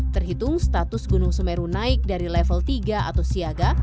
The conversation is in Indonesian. terhitung status gunung semeru naik dari level tiga atau siaga